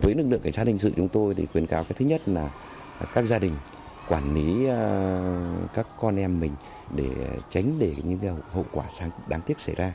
với lực lượng của gia đình dự chúng tôi thì khuyến cáo cái thứ nhất là các gia đình quản lý các con em mình để tránh để những hậu quả đáng tiếc xảy ra